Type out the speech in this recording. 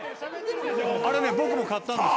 あれね、僕も買ったんです。